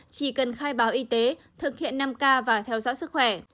chỉ cần khai báo y tế thực hiện năm k và theo dõi sức khỏe